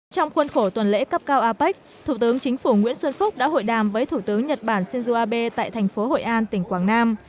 trong khuôn khổ tuần lễ cấp cao apec thủ tướng chính phủ nguyễn xuân phúc đã hội đàm với thủ tướng nhật bản shinzo abe tại thành phố hội an tỉnh quảng nam